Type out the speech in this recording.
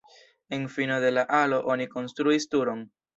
En fino de la alo oni konstruis turon.